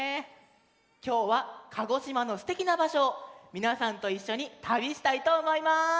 きょうは鹿児島のすてきなばしょをみなさんといっしょにたびしたいとおもいます。